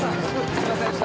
すいませんでした。